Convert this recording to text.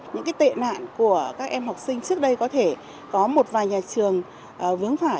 những tệ nạn của các em học sinh trước đây có thể có một vài nhà trường vướng phải